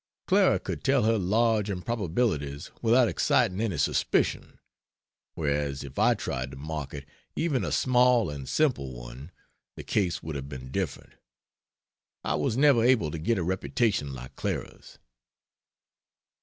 Clara could tell her large improbabilities without exciting any suspicion, whereas if I tried to market even a small and simple one the case would have been different. I was never able to get a reputation like Clara's."